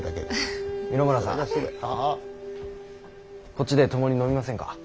こっちで共に飲みませんか。